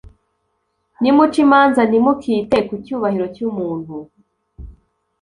Nimuca imanza, ntimukite ku cyubahiro cy’umuntu;